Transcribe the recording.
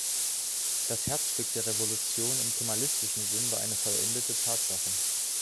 Das Herzstück der Revolution, im kemalistischen Sinn, war eine vollendete Tatsache.